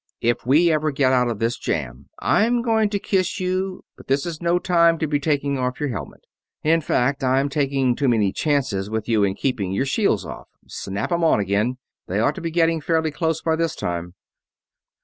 "If we ever get out of this jam I'm going to kiss you, but this is no time to be taking off your helmet. In fact, I'm taking too many chances with you in keeping your shields off. Snap 'em on again they ought to be getting fairly close by this time."